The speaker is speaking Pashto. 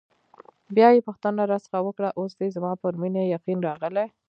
بیا یې پوښتنه راڅخه وکړه: اوس دې زما پر مینې یقین راغلی؟